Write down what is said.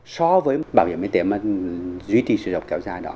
so với bảo hiểm y tế mà duy trì sử dụng kéo dài đó